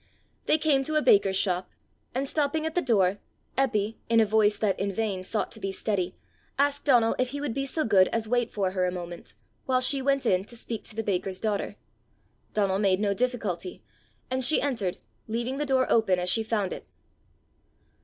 They came to a baker's shop, and, stopping at the door, Eppy, in a voice that in vain sought to be steady, asked Donal if he would be so good as wait for her a moment, while she went in to speak to the baker's daughter. Donal made no difficulty, and she entered, leaving the door open as she found it.